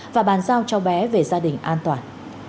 và bàn giao cho bé về gia đình an toàn